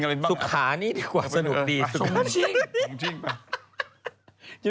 เอาสุขานี่ดีกว่าสนุกดีสุขานี่